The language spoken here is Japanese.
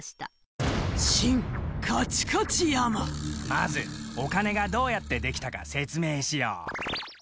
まずお金がどうやってできたか説明しよう。